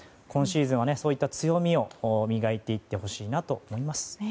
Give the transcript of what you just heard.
今シーズンはそういった強みを磨いていってほしいと思います。